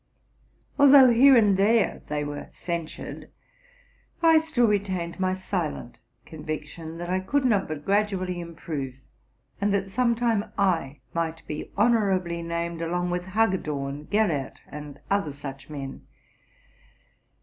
Although here and there they were censured, I still retained my silent conviction that I could not but gradually improve, and that some time I might be honorably named along with Hagedorn, Gellert, and other such men.